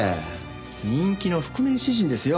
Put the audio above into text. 人気の覆面詩人ですよ。